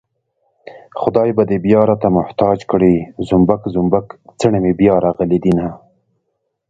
خدای به دې بيا راته محتاج کړي زومبک زومبک څڼې مې بيا راغلي دينه